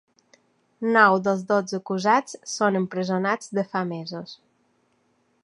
Nou dels dotze acusats són empresonats de fa mesos.